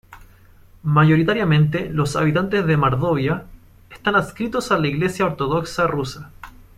Mayoritariamente, los habitantes de Mordovia, están adscritos a la Iglesia ortodoxa rusa.